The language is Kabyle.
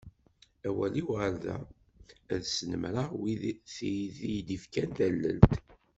Awal-iw ɣer da, ad snemmreɣ wid d tid i yi-d-yefkan tallelt.